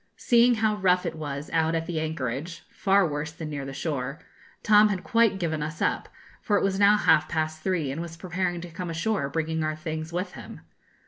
Seeing how rough it was out at the anchorage far worse than near the shore Tom had quite given us up, for it was now half past three, and was preparing to come ashore, bringing our things with him.